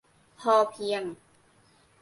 พอเพียง ?